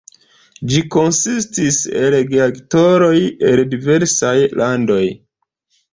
Ĝi konsistis el geaktoroj el diversaj landoj.